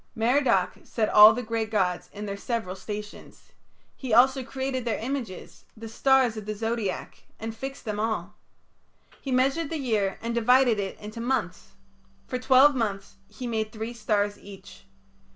Merodach set all the great gods in their several stations. He also created their images, the stars of the Zodiac, and fixed them all. He measured the year and divided it into months; for twelve months he made three stars each.